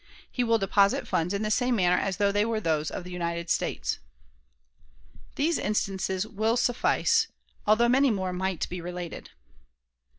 He will deposit funds in the same manner as though they were those of the United States." These instances will suffice, although many more might be related.